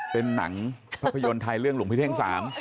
เป็นหนังภาพยนตร์ไทยเรื่องหลวงพี่เท่ง๓